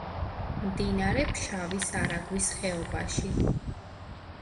მდინარე ფშავის არაგვის ხეობაში.